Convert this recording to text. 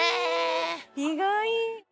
意外！